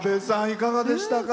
いかがでしたか？